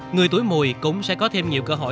người túi mùi cũng sẽ có thêm nhiều cơ hội